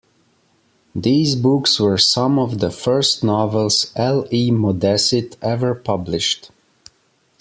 These books were some of the first novels L. E. Modesitt ever published.